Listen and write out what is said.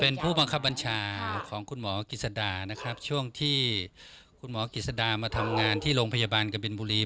เป็นผู้บังคับบัญชาของคุณหมอกิจสดานะครับช่วงที่คุณหมอกิจสดามาทำงานที่โรงพยาบาลกบินบุรี